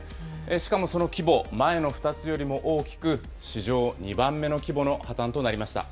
しかもその規模、前の２つよりも大きく、史上２番目の規模の破綻となりました。